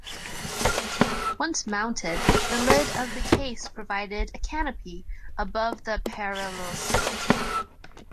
Once mounted the lid of the case provided a 'canopy' above the parallescope.